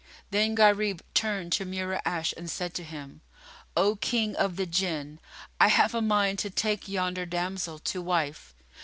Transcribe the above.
Then Gharib turned to Mura'ash and said to him, "O King of the Jinn, I have a mind to take yonder damsel to wife."